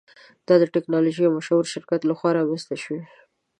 دا د ټیکنالوژۍ یو مشهور شرکت لخوا رامینځته شوی.